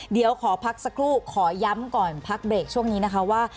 เดี๋ยวขอพักสักครู่ขอย้ำก่อนพักเบรกช่วงนี้นะคะว่า